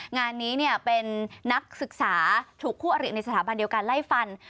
งานนี้เป็นนักศึกษาถูกคู่อริในสถาบันเดียวกันไล่ฟัน